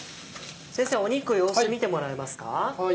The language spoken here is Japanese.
先生肉様子見てもらえますか？